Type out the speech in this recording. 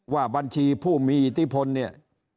ว่าบัญชีผู้มีอิทธิพลเนี่ย